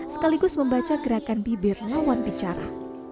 sekaligus membaca gerakan bibir lawan bicara